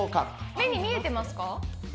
目に見えてますか？